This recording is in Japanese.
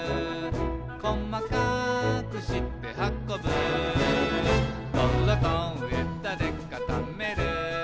「こまかくしてはこぶ」「どろとえだでかためる」